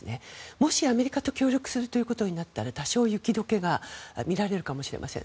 もしアメリカと協力するとなったら多少、雪解けが見られるかもしれません。